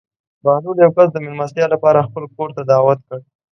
بهلول یو کس د مېلمستیا لپاره خپل کور ته دعوت کړ.